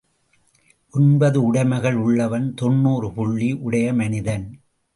ஒன்பது உடைமைகள் உள்ளவன் தொன்னூறு புள்ளி உடைய மனிதன்.